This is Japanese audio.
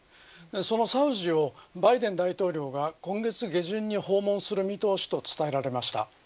そのサウジをバイデン大統領が今月下旬に訪問する見通しと伝えられました。